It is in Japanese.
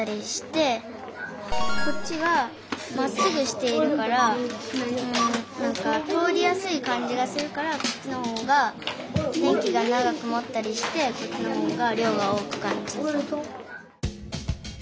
こっちはまっすぐしているからなんか通りやすい感じがするからこっちのほうが電気が長くもったりしてこっちのほうがりょうが大きく感じると。